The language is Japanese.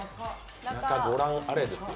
中、ご覧あれですよ。